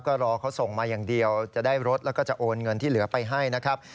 ก็รอเขาส่งมาอย่างเดียวจะได้รถแล้วก็จะโอนเงินที่เหลือไปให้นะครับ